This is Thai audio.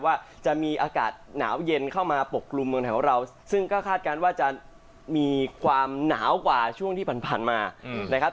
ว่าจะมีอากาศหนาวเย็นเข้ามาปกกลุ่มเมืองไทยของเราซึ่งก็คาดการณ์ว่าจะมีความหนาวกว่าช่วงที่ผ่านมานะครับ